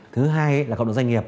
thứ hai là cộng đồng doanh nghiệp